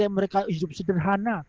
mereka hidup sederhana